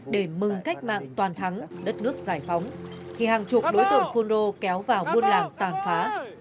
để mừng cách mạng toàn thắng đất nước giải phóng thì hàng chục đối tượng phun rô kéo vào buôn làng tàn phá